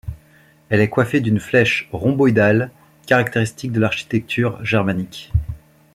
Elle est coiffée d'une flèche rhomboïdale, caractéristique de l'architecture germanique.